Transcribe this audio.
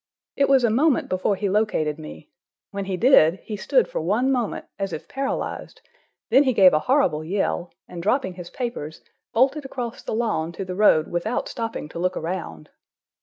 It was a moment before he located me: when he did, he stood for one moment as if paralyzed, then he gave a horrible yell, and dropping his papers, bolted across the lawn to the road without stopping to look around.